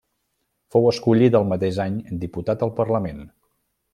Fou escollit el mateix any diputat al parlament.